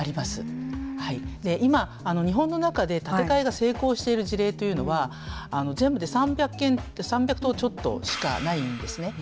今日本の中で建て替えが成功している事例というのは全部で３００とちょっとしかないんですね。